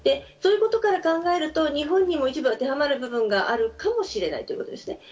そういうことから考えると日本にも一部当てはまる部分があるかもしれないということですね。